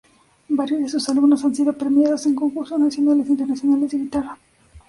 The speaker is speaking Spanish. Varios de sus alumnos han sido premiados en concursos nacionales e internacionales de guitarra.